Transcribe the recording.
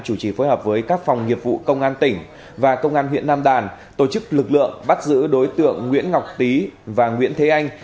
chủ trì phối hợp với các phòng nghiệp vụ công an tỉnh và công an huyện nam đàn tổ chức lực lượng bắt giữ đối tượng nguyễn ngọc tý và nguyễn thế anh